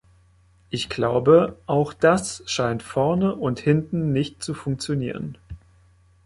Ich glaube, auch das scheint vorne und hinten nicht zu funktionieren!